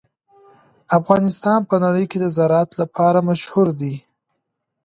افغانستان په نړۍ کې د زراعت لپاره مشهور دی.